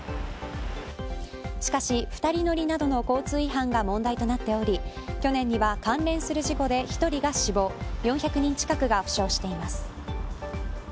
しかし、２人乗りなどの交通違反が問題となっており去年には関連する事故で１人が死亡４００人近くが負傷しています。